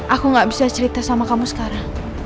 aku gak bisa cerita sama kamu sekarang